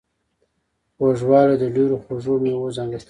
خوږوالی د ډیرو خواږو میوو ځانګړتیا ده.